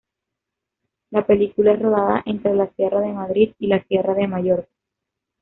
La película es rodada entre la Sierra de Madrid y la Sierra de Mallorca.